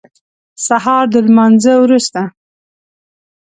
سهار د لمانځه وروسته.